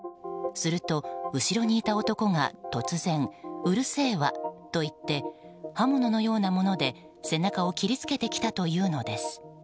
すると、後ろにいた男が突然うるせえわと言って刃物のようなもので背中を切りつけてきたというのです。